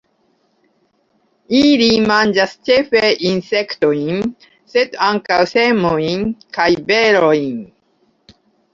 Ili manĝas ĉefe insektojn, sed ankaŭ semojn kaj berojn.